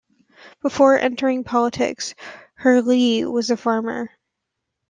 Before entering politics, Herlihy was a farmer.